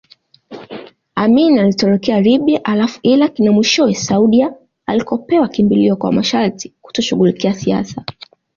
Amin alitorokea Libya halafu Irak na mwishowe Saudia alikopewa kimbilio kwa masharti kutoshughulikia siasa